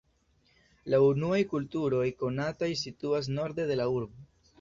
La unuaj kulturoj konataj situas norde de la urbo.